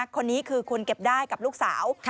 คนนี้คือคุณเก็บได้กับลูกสาว